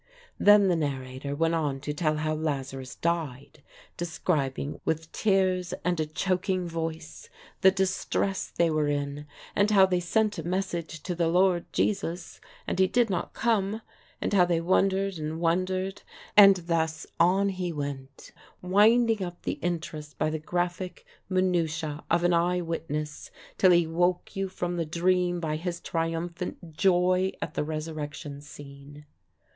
Then the narrator went on to tell how Lazarus died, describing, with tears and a choking voice, the distress they were in, and how they sent a message to the Lord Jesus, and he did not come, and how they wondered and wondered; and thus on he went, winding up the interest by the graphic minutiæ of an eye witness, till he woke you from the dream by his triumphant joy at the resurrection scene.